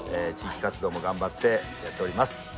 地域活動も頑張ってやっております。